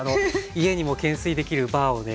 家にも懸垂できるバーをね